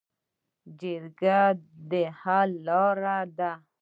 جرګه د حل لاره ده